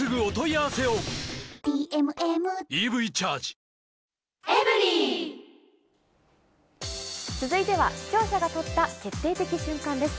ぷはーっ続いては視聴者が撮った決定的瞬間です。